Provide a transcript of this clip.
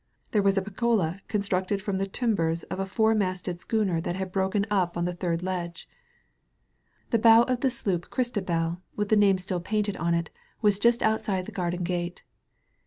There was a pergola constructed from the timbers of a four masted schooner that had broken up on the thiror ^8 SALVAGE POINT ledge. The bow of the sloop Christabd^ with the name still painted on it, was just outside the gar den gate.